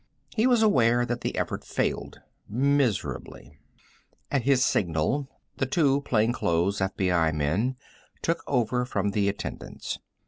He was aware that the effort failed miserably. At his signal, the two plainclothes FBI men took over from the attendants.